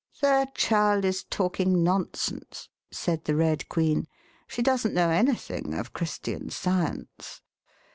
The child is talking nonsense," said the Red Queen; '*she doesn't know anything of Christian Science.